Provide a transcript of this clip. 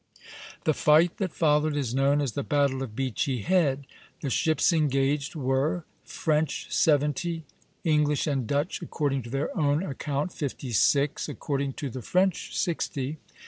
The fight that followed is known as the battle of Beachy Head. The ships engaged were, French seventy, English and Dutch according to their own account fifty six, according to the French sixty.